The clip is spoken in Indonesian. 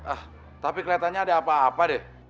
ah tapi kelihatannya ada apa apa deh